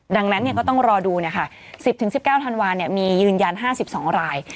ดังนั้นก็ต้องรอดู๑๐๑๙ธันวาลมียืนยัน๕๒ราย